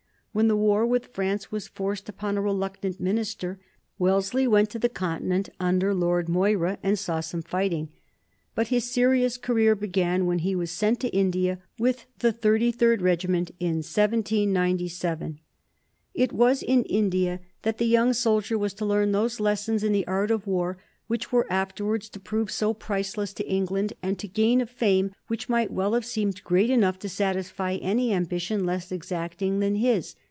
When the war with France was forced upon a reluctant minister, Wellesley went to the Continent under Lord Moira and saw some fighting. But his serious career began when he was sent to India with the Thirty third Regiment in 1797. It was in India that the young soldier was to learn those lessons in the art of war which were afterwards to prove so priceless to England, and to gain a fame which might well have seemed great enough to satisfy any ambition less exacting than his.